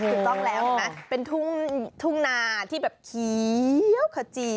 คือต้องแล้วเป็นทุ่งนาที่แบบเขี้ยวขจี